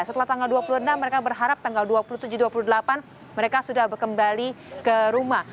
setelah tanggal dua puluh enam mereka berharap tanggal dua puluh tujuh dua puluh delapan mereka sudah kembali ke rumah